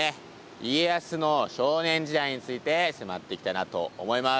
家康の少年時代について迫っていきたいなと思います。